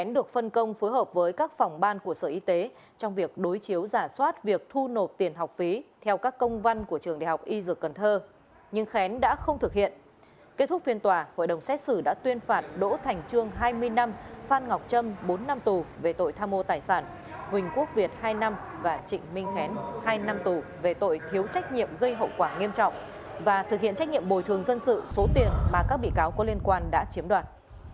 đỗ thành trương hai mươi năm phan ngọc trâm bốn năm tù về tội tha mô tài sản huỳnh quốc việt hai năm và trịnh minh khén hai năm tù về tội thiếu trách nhiệm gây hậu quả nghiêm trọng và thực hiện trách nhiệm bồi thường dân sự số tiền mà các bị cáo có liên quan đã chiếm đoạt